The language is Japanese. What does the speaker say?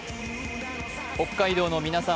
北海道の皆さん